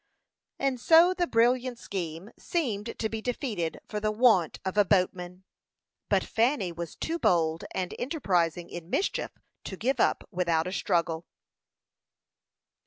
And so the brilliant scheme seemed to be defeated for the want of a boatman; but Fanny was too bold and enterprising in mischief to give up without a struggle.